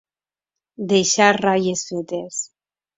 Deixar ratlles fetes.